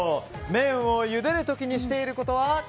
麺をゆでる時にしていることは。